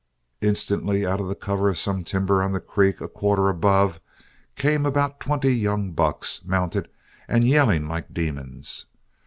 "Instantly, out of the cover of some timber on the creek a quarter above, came about twenty young bucks, mounted, and yelling like demons.